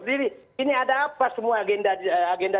jadi ini ada apa semua agenda